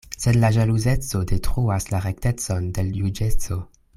Sed la ĵaluzeco detruas la rektecon de l' juĝeco.